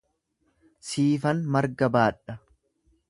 Siifan marga baadha.